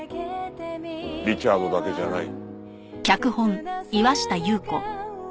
リチャードだけじゃない。